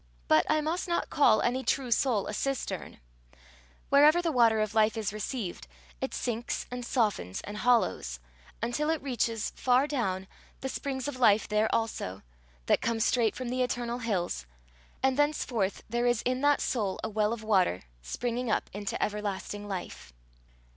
But I must not call any true soul a cistern: wherever the water of life is received, it sinks and softens and hollows, until it reaches, far down, the springs of life there also, that come straight from the eternal hills, and thenceforth there is in that soul a well of water springing up into everlasting life.